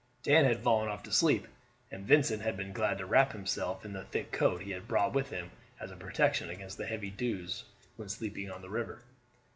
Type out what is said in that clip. Dan had fallen off to sleep, and Vincent had been glad to wrap himself in the thick coat he had brought with him as a protection against the heavy dews when sleeping on the river.